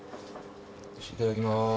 よしいただきます。